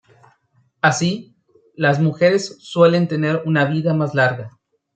Así, las mujeres suelen tener una vida más larga.